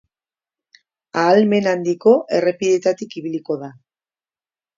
Ahalmen handiko errepideetatik ibiliko da.